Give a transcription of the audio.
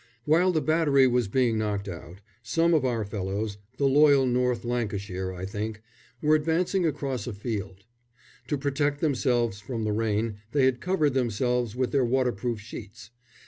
While the battery was being knocked out some of our fellows the Loyal North Lancashire, I think were advancing across a field. To protect themselves from the rain they had covered themselves with their waterproof sheets.